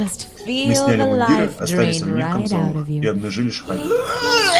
Мы сняли мундиры, остались в одних камзолах и обнажили шпаги.